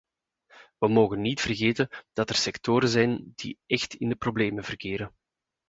We mogen niet vergeten dat er sectoren zijn die echt in de problemen verkeren.